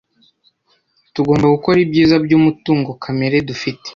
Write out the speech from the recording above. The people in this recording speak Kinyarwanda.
Tugomba gukora ibyiza byumutungo kamere dufite.